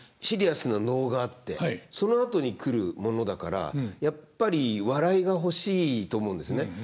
シリアスな能があってそのあとに来るものだからやっぱり笑いが欲しいと思うんですね。